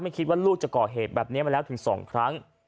คิดว่าลูกจะก่อเหตุแบบนี้มาแล้วถึง๒ครั้ง